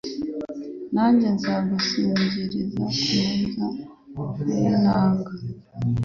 Nanjye nzagusingiriza ku murya w’inanga